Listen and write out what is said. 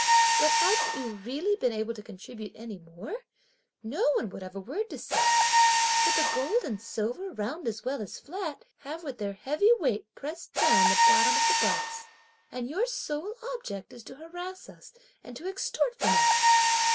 But hadn't you really been able to contribute any more, no one would have a word to say; but the gold and silver, round as well as flat, have with their heavy weight pressed down the bottom of the box! and your sole object is to harass us and to extort from us.